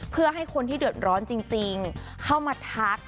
เพื่อให้คนที่เดือดร้อนจริงเข้ามาทัก